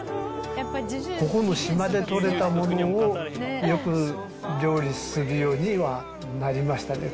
ここの島で取れたものをよく料理するようにはなりましたね、